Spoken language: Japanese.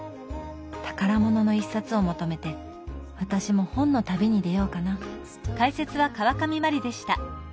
宝物の１冊を求めて私も本の旅に出ようかな。